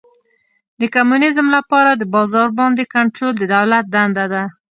د کمونیزم لپاره د بازار باندې کنټرول د دولت دنده ده.